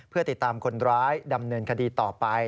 เพื่อติดตามคนร้ายดำเนินคดีต่อไป